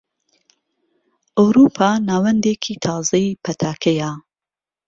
ئەوروپا ناوەندێکی تازەی پەتاکەیە.